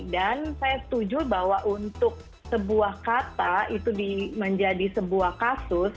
dan saya setuju bahwa untuk sebuah kata itu menjadi sebuah kasus